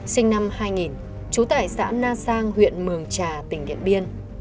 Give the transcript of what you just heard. sinh năm hai nghìn trú tại xã na sang huyện mường trà tỉnh điện biên